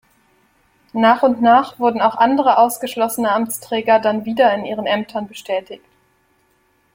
Nach und nach wurden auch andere ausgeschlossene Amtsträger dann wieder in ihren Ämtern bestätigt.